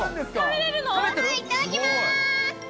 いただきます。